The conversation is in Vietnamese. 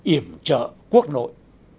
iểm trợ quốc nội